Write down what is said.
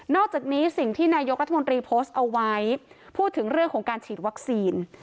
อกจากนี้สิ่งที่นายกรัฐมนตรีโพสต์เอาไว้พูดถึงเรื่องของการฉีดวัคซีน